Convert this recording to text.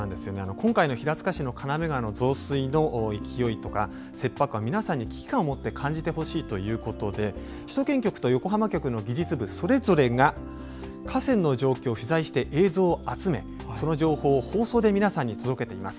今回の平塚市の金目川の増水の勢いとか切迫感は皆さんに危機感を持って感じてほしいということで首都圏局と横浜局の技術部それぞれが河川の状況を取材して映像を集め、その映像を放送で皆さんに届けています。